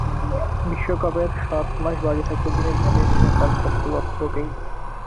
বিশ্বকাপের সাত মাস বাকি থাকতে তিনি ঝালিয়ে নিলেন তাঁর সবগুলো অস্ত্রকেই।